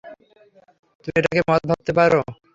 তুমি এটাকে মদ ভাবতে পারো।